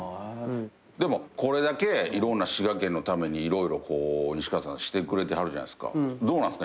でもこれだけ滋賀県のために色々西川さんしてくれてはるじゃないですか。どうなんですか？